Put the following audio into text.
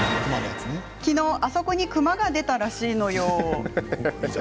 きのうあそこに熊が出たらしいのよ。